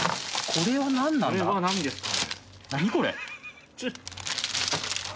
これはなんですか？